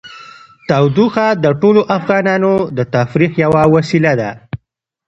تودوخه د ټولو افغانانو د تفریح یوه وسیله ده.